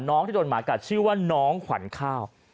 ที่โดนหมากัดชื่อว่าน้องขวัญข้าว